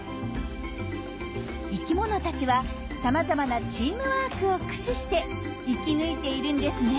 生きものたちはさまざまなチームワークを駆使して生き抜いているんですね。